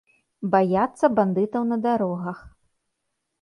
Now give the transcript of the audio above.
Баяцца бандытаў на дарогах.